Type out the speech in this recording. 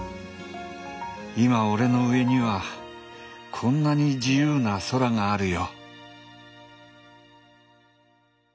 今俺の上にはこんなに自由な空があるよ。